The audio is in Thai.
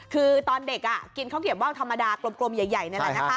คือตอนเด็กกินข้าวเกียบว่าวธรรมดากลมใหญ่นั่นแหละนะคะ